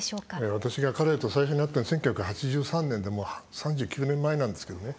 私が彼と最初に会ったのは１９８３年でもう３９年前なんですけどね。